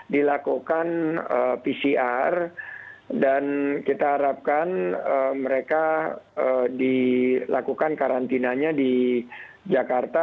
dilakukan pcr dan kita harapkan mereka dilakukan karantinanya di jakarta